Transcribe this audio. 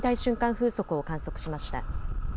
風速を観測しました。